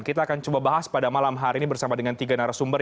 kita akan coba bahas pada malam hari ini bersama dengan tiga narasumber